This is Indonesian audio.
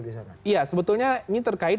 di sana iya sebetulnya ini terkait